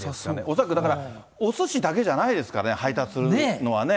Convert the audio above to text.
恐らくおすしだけじゃないですからね、配達するものは。